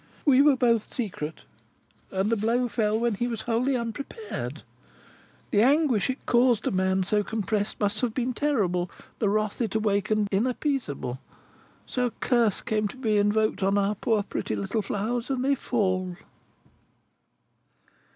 We were both secret, and the blow fell when he was wholly unprepared. The anguish it caused a man so compressed, must have been terrible; the wrath it awakened, inappeasable. So, a curse came to be invoked on our poor pretty little flowers, and they fall.